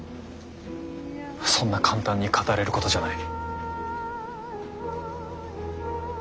そんな簡単に語れることじゃない。